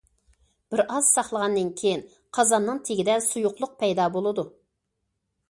بىر ئاز ساقلىغاندىن كېيىن قازاننىڭ تېگىدە سۇيۇقلۇق پەيدا بولىدۇ.